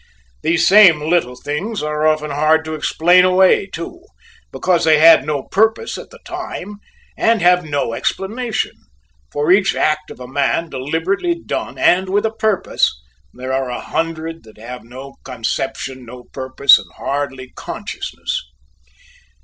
These same little things are often hard to explain away too, because they had no purpose at the time and have no explanation; for each act of a man deliberately done and with a purpose, there are a hundred that have no conception, no purpose, and hardly consciousness.